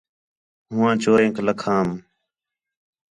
ہوآں چورینک لَکھام